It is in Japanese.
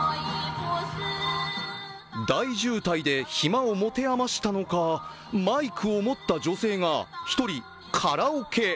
大渋滞で暇を持て余したのかマイクを持った女性が、一人カラオケ。